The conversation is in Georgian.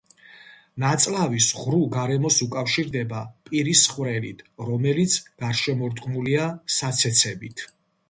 ნაწლავის ღრუ გარემოს უკავშირდება პირის ხვრელით, რომელიც გარშემორტყმულია საცეცებით.